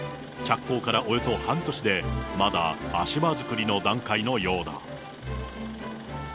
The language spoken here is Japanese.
着工からおよそ半年で、まだ足場作りの段階のようだ。